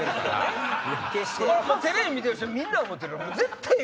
テレビ見てる人みんな思ってる絶対ええ